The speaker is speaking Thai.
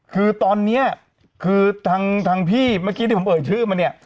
คือตอนนี้คือทางพี่เมื่อกี้ที่ผมเอ่ยชื่อมาเนี่ย